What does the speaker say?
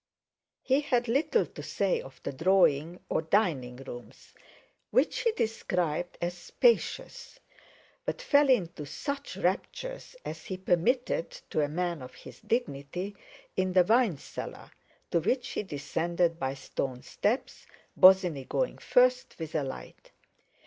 He had little to say of the drawing or dining rooms, which he described as "spacious"; but fell into such raptures as he permitted to a man of his dignity, in the wine cellar, to which he descended by stone steps, Bosinney going first with a light.